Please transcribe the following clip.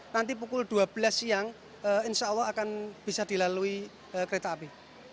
nanti pukul dua belas siang insya allah akan bisa dilalui kereta api